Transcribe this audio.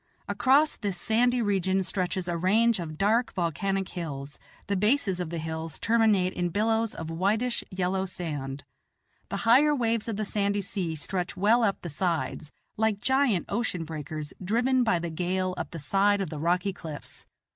Across this sandy region stretches a range of dark volcanic hills; the bases of the hills terminate in billows of whitish yellow sand; the higher waves of the sandy sea stretch well up the sides like giant ocean breakers driven by the gale up the side of the rocky cliffs.